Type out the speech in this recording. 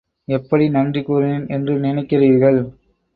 எப்படி நன்றி கூறினேன் என்று நினைக்கிறீர்கள்.